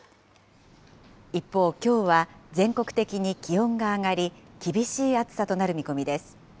一方、きょうは全国的に気温が上がり、厳しい暑さとなる見込みです。